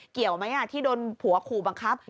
เกี่ยวไหมที่โดนผัวขู่บังคับ